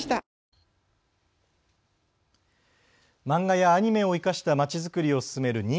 漫画やアニメを生かしたまちづくりを進める